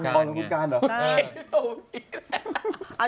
ตัวนี้แหละ